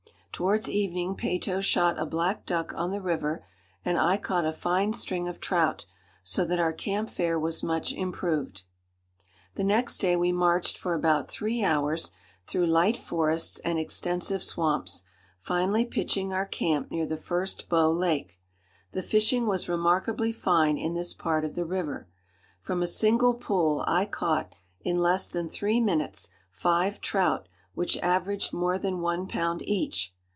Towards evening Peyto shot a black duck on the river, and I caught a fine string of trout, so that our camp fare was much improved. The next day we marched for about three hours through light forests and extensive swamps, finally pitching our camp near the first Bow Lake. The fishing was remarkably fine in this part of the river. From a single pool I caught, in less than three minutes, five trout which averaged more than one pound each.